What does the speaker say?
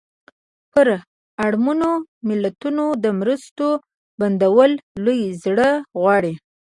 پر اړمنو ملتونو د مرستو بندول لوی زړه غواړي.